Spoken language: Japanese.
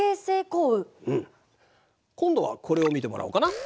今度はこれを見てもらおうかな。